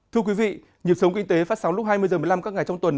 thưa quý vị nhịp sống kinh tế phát sóng lúc hai mươi h một mươi năm các ngày trong tuần